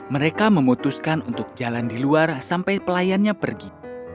mereka memutuskan untuk jalan di luar sampai pelayannya pergi